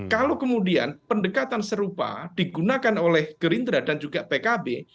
kalau kemudian pendekatan serupa digunakan oleh gerindra dan juga pkb